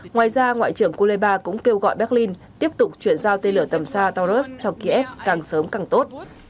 ngoài ra ngoại trưởng kuleba cũng kêu gọi berlin tiếp tục chuyển giao tên lửa tầm xa taurus cho kiev càng sớm càng tốt